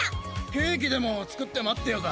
ケーキでも作って待ってようか。